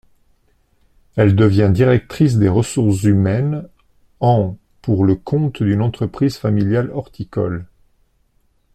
Elle devient directrice des ressources humaines en pour le compte d'une entreprise familiale horticole.